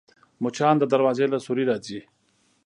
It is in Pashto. مچان د دروازې له سوري راځي